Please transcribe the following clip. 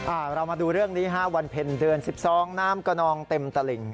อ่าเรามาดูเรื่องนี้ฮะวันเพ็ญเดือนสิบสองน้ำกระนองเต็มตะหลิง